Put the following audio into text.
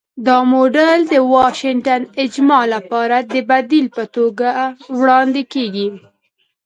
دا موډل د 'واشنګټن اجماع' لپاره د بدیل په توګه وړاندې کېږي.